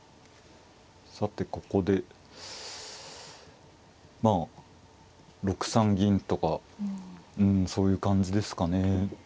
さてここでまあ６三銀とかうんそういう感じですかね。